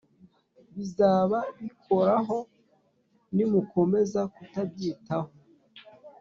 bizaba bikoraho ni mukomeza kutabyitaho